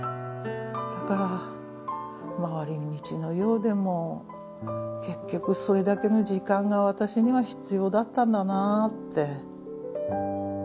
だから回り道のようでも結局それだけの時間が私には必要だったんだなって。